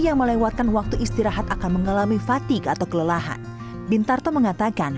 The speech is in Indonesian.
yang melewatkan waktu istirahat akan mengalami fatigue atau kelelahan bintarto mengatakan